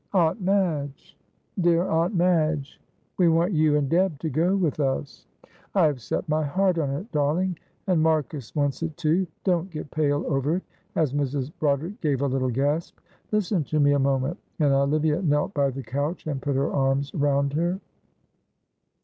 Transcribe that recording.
"Aunt Madge, dear Aunt Madge, we want you and Deb to go with us. I have set my heart on it, darling, and Marcus wants it too. Don't get pale over it," as Mrs. Broderick gave a little gasp. "Listen to me a moment," and Olivia knelt by the couch and put her arms round her.